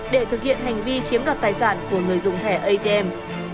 để thực hiện hành vi chiếm đoạt tài sản của người dùng thẻ atm